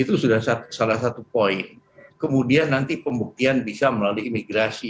itu sudah salah satu poin kemudian nanti pembuktian bisa melalui imigrasi